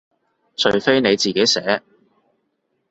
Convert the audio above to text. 除非你自己寫